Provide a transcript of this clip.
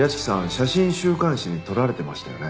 写真週刊誌に撮られてましたよね。